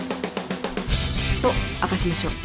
と明かしましょう